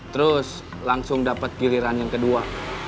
terus langsung dapat giliran yang kedua